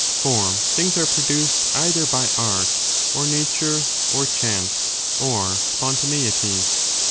For things are produced either by Art, or Nature, or Chance, or Spontaneity.